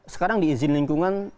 sekarang di izin lingkungan yang baru